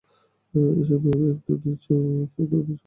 এই সময়ে আমি একটা নিচু অথচ দ্রুত শব্দ শুনতে পেলাম।